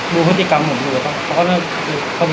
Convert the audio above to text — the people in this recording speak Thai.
ดูวิธีกรรมหน่อยนะเขาเข้าไป